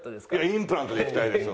インプラントでいきたいですよ。